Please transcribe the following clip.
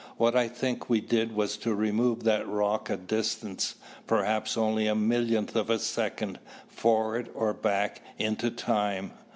What I think we did was to remove that rock a distance, perhaps only a millionth of a second, forward or back into time.